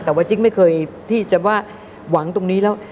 แต่จิ๊กไม่เคยวางตรงนี้ล่ะ